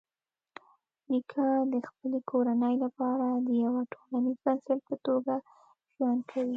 نیکه د خپلې کورنۍ لپاره د یوه ټولنیز بنسټ په توګه ژوند کوي.